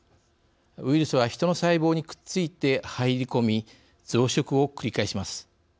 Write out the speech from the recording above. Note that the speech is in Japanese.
ウイルスはヒトの細胞にくっついて入り込み増殖を繰り返します。